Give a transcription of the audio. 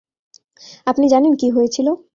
আপনি জানেন, কী হয়েছিল?